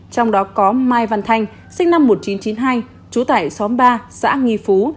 trong đó có mai văn thanh sinh năm một nghìn chín trăm chín mươi hai trú tải xóm ba xã nghi phú